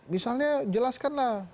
misalnya jelaskan lah